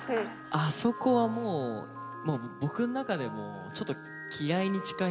あそこはもう僕の中でもちょっと。